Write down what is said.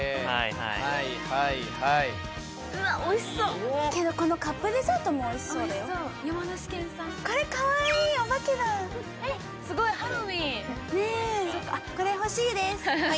はいはいはいはいうわっおいしそうけどこのおいしそう山梨県産これかわいいお化けだえっすごいハロウィンねえこれ欲しいです